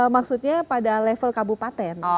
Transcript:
maksudnya pada level kabupaten